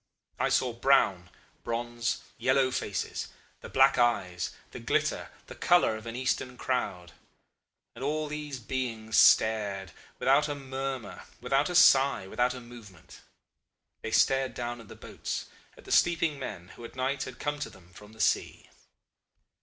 I saw brown, bronze, yellow faces, the black eyes, the glitter, the colour of an Eastern crowd. And all these beings stared without a murmur, without a sigh, without a movement. They stared down at the boats, at the sleeping men who at night had come to them from the sea.